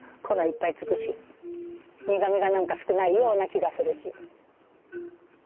粉いっぱいつくし苦みが何か少ないような気がするし。